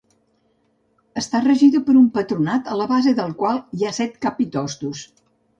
Està regida per un patronat a la base del qual hi ha set capitostos.